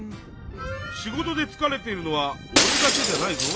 仕事でつかれているのはおれだけじゃないぞ。